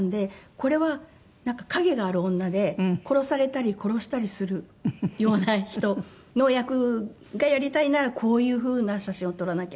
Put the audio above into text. これは陰がある女で「殺されたり殺したりするような人の役がやりたいならこういうふうな写真を撮らなきゃ」。